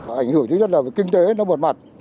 ảnh hưởng thứ nhất là kinh tế nó bột mặt